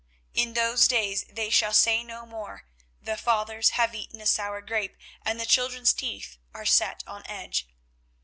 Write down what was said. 24:031:029 In those days they shall say no more, The fathers have eaten a sour grape, and the children's teeth are set on edge.